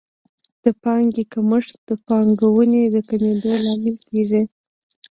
د پانګې کمښت د پانګونې د کمېدو لامل کیږي.